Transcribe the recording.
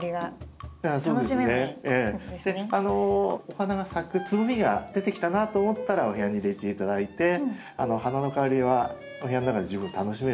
お花が咲くつぼみが出てきたなと思ったらお部屋に入れて頂いて花の香りはお部屋の中で十分楽しめると思いますので。